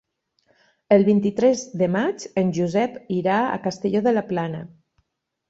El vint-i-tres de maig en Josep irà a Castelló de la Plana.